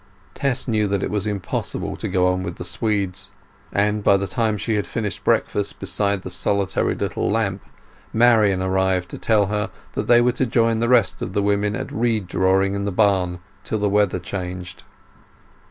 Tess knew that it was impossible to go on with the swedes; and by the time she had finished breakfast beside the solitary little lamp, Marian arrived to tell her that they were to join the rest of the women at reed drawing in the barn till the weather changed.